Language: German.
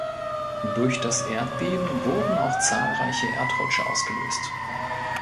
Durch das Erdbeben wurden auch zahlreiche Erdrutsche ausgelöst.